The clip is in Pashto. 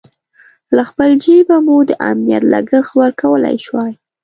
له خپل جېبه مو د امنیت لګښت ورکولای شوای.